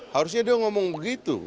harusnya dia ngomong begitu